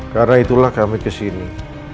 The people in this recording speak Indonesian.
karena itulah kami kesini